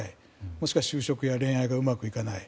もしくは就職や恋愛がうまくいかない。